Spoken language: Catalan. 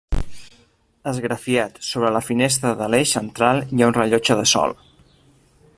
Esgrafiat sobre la finestra de l'eix central hi ha un rellotge de sol.